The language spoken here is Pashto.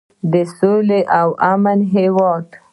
د سولې او امن هیواد.